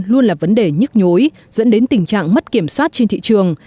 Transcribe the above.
luôn là vấn đề nhức nhối dẫn đến tình trạng mất kiểm soát trên thị trường